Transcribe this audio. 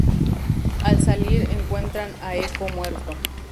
Al salir encuentran a Eko muerto.